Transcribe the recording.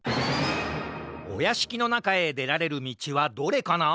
おやしきのなかへでられるみちはどれかな？